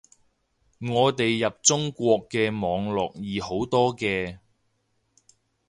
我哋入中國嘅網絡易好多嘅